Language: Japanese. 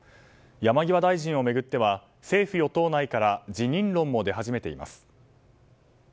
山際大臣を巡っては政府・与党内から辞任論も出始めています。